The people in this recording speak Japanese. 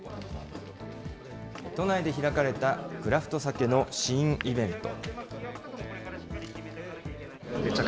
都内で開かれた、クラフトサケの試飲イベント。